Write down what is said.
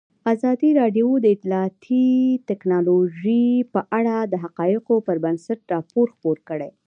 ازادي راډیو د اطلاعاتی تکنالوژي په اړه د حقایقو پر بنسټ راپور خپور کړی.